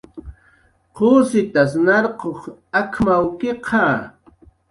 "¿Qusitas narquq ak""mawkiqa?"